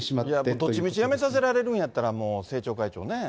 どっちみち辞めさせられるんやったら、政調会長ね。